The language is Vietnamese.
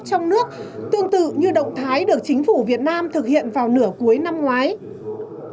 trong nước tương tự như động thái được chính phủ việt nam thực hiện vào nửa cuối năm ngoái